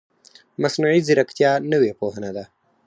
مصنوعي ځیرکتیا نوې پوهنه ده